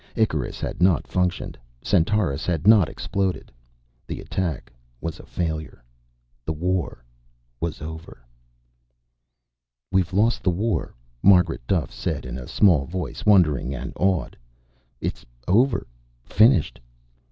Icarus had not functioned. Centaurus had not exploded. The attack was a failure. The war was over. "We've lost the war," Margaret Duffe said in a small voice, wondering and awed. "It's over. Finished."